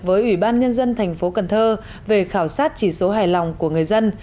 với ủy ban nhân dân thành phố cần thơ về khảo sát chỉ số hài lòng của người dân